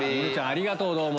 ありがとうどうも。